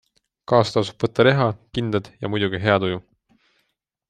Kaasa tasub võtta reha, kindad ja muidugi hea tuju.